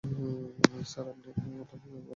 Sir, আপনি এখনও তার পিছনে পরে আছেন কেন?